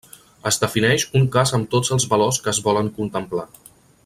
Es defineix un cas amb tots els valors que es volen contemplar.